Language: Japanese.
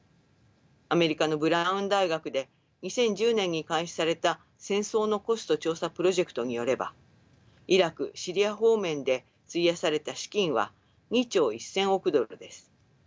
アメリカのブラウン大学で２０１０年に開始された戦争のコスト調査プロジェクトによればイラクシリア方面で費やされた資金は２兆１，０００億ドルです。